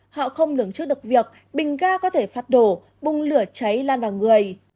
họ không lường trước được việc bình ga có thể phát đổ bung lửa cháy lan vào người